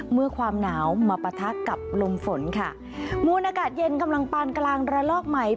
เมื่อความหนาวมาปะทะกับลมฝนค่ะมูลอากาศเย็นกำลังปานกลางระลอกใหม่